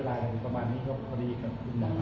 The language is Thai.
วันนี้สามารถเบิกไอ